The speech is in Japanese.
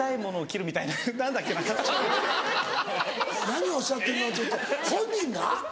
何をおっしゃってるのちょっと本人が？